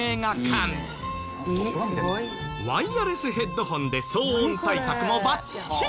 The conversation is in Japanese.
ワイヤレスヘッドホンで騒音対策もバッチリ！